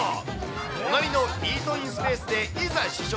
隣のイートインスペースでいざ試食。